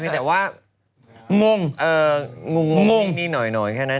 แต่ว่างง